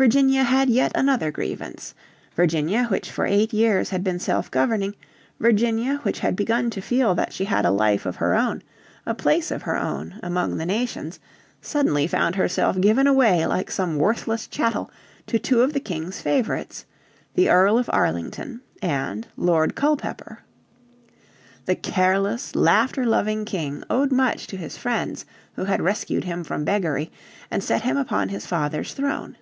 Virginia had yet another grievance. Virginia, which for eight years had been self governing, Virginia which had begun to feel that she had a life of her own, a place of her own among the nations, suddenly found herself given away like some worthless chattel to two of the King's favourites the Earl of Arlington and Lord Culpeper. The careless, laughter loving King owed much to his friends who had rescued him from beggary, and set him upon his father's throne.